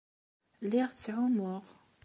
Lliɣ ttɛumuɣ.